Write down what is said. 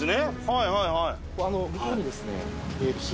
はいはいはい。